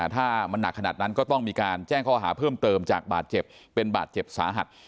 ถ้ามันหนักขนาดนั้นก็ต้องมีการแจ้งข้อหาเพิ่มเติมจากบาดเจ็บเป็นบาดเจ็บสาหัส